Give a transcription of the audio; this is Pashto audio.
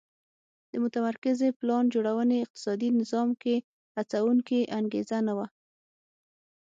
د متمرکزې پلان جوړونې اقتصادي نظام کې هڅوونکې انګېزه نه وه